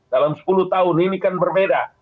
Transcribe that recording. dalam sepuluh tahun ini kan berbeda